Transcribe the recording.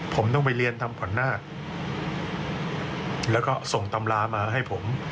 ผมต้องไปเรียนทำขวัญนาคแล้วก็ส่งตำรามาให้ผม